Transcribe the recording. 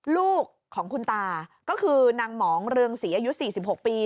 ลูกของคุณตาก็คือนางหมองเรืองศรีอายุ๔๖ปี